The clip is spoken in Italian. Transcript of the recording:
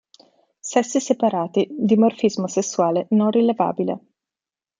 Sessi separati, dimorfismo sessuale non rilevabile.